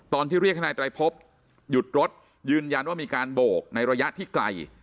ตอนที่เรียกให้นายไตรพบหยุดรถยืนยันว่ามีการโบกในระยะที่ไกล